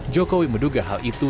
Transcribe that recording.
jokowi menduga hal itu